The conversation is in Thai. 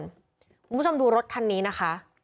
คุณผู้ชมดูรถคันนี้นะคะ